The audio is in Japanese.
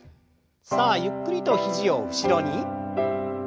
さあゆっくりと肘を後ろに。